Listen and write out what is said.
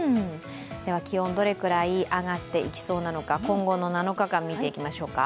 では気温、どれくらい上がっていきそうなのか、今後７日間見ていきましょうか。